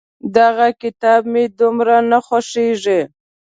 دغه کتاب مې دومره نه خوښېږي.